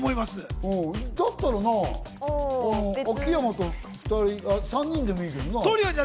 だったら秋山と３人でもいいけどな。